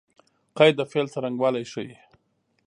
قید د فعل څرنګوالی ښيي.